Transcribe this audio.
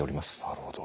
なるほど。